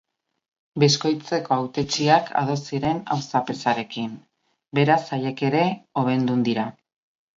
Beskoitzeko hautetsiak ados ziren auzapezarekin, beraz haiek ere hobendun dira.